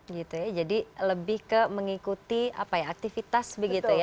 gitu ya jadi lebih ke mengikuti aktivitas begitu ya